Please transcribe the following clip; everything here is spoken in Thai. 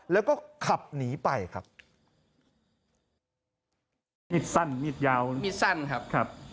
แล้วก็ขับหนีไปครับมีดสั้นมีดยาวมีดสั้นครับครับ